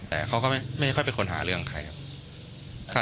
แต่เขาก็ไม่ค่อยเป็นคนหาเรื่องใครครับ